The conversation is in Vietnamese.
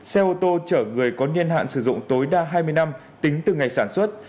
xe ô tô chở người có niên hạn sử dụng tối đa hai mươi năm tính từ ngày sản xuất